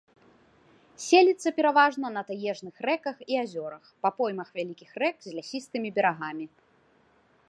Селіцца пераважна на таежных рэках і азёрах па поймах вялікіх рэк з лясістымі берагамі.